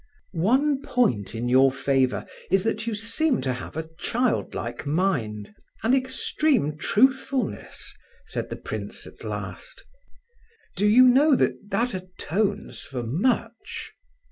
"One point in your favour is that you seem to have a child like mind, and extreme truthfulness," said the prince at last. "Do you know that that atones for much?"